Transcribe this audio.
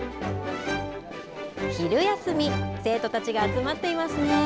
昼休み生徒たちが集まっていますね。